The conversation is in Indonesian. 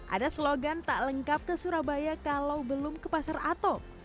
ada slogan tak lengkap ke surabaya kalau belum ke pasar atop